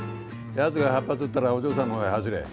やつが８発撃ったらお嬢さんの方へ走れ。